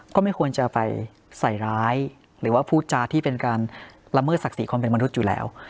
ก็ไม่ควรจะไปใส่ร้ายหรือว่าพูดจาที่เป็นการละเมิดศักดิ์ศรีความเป็นมนุษย์อยู่แล้ว